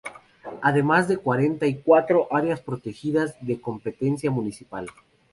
Además de cuarenta y cuatro áreas protegidas de competencia municipal.